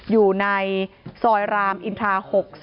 อยู่ในซอยรามอินทรา๖๔